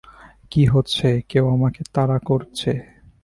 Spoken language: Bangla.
কী হচ্ছে, কেউ আমাকে তাড়া করছে।